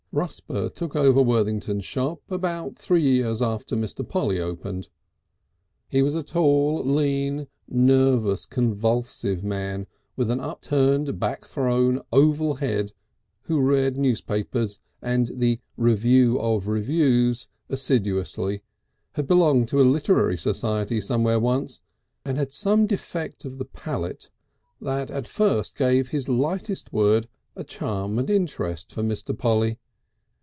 Rusper took over Worthington's shop about three years after Mr. Polly opened. He was a tall, lean, nervous, convulsive man with an upturned, back thrown, oval head, who read newspapers and the Review of Reviews assiduously, had belonged to a Literary Society somewhere once, and had some defect of the palate that at first gave his lightest word a charm and interest for Mr. Polly.